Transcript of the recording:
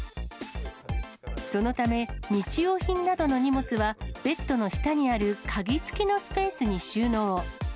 そのため、日用品などの荷物はベッドの下にある鍵付きのスペースに収納。